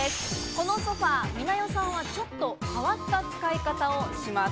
このソファ、美奈代さんは、ちょっと変わった使い方をします。